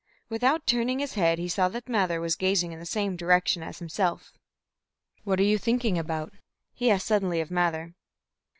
Without turning his head, he saw that Mather was gazing in the same direction as himself. "What are you thinking about?" he asked suddenly of Mather.